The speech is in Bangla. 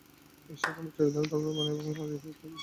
এশিয়ার বাণী চিরদিনই ধর্মের বাণী, আর ইউরোপের বাণী রাজনীতির।